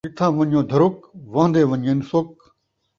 جتھاں ون٘ڄو دھرُک، وہندے ون٘ڄن سُک